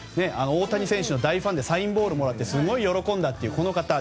大谷選手の大ファンでサインボールをもらってすごい喜んだという方。